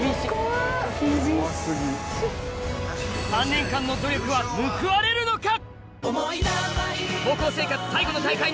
３年間の努力は報われるのか？